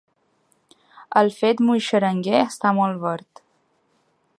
El fet muixeranguer està molt verd.